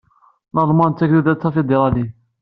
Lalman d tagduda tafidiṛalit.